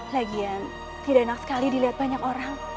lagian tidak enak sekali dilihat banyak orang